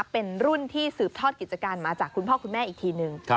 เป็นรุ่นที่สืบทอดกิจการมาจากคุณพ่อคุณแม่อีกทีนึง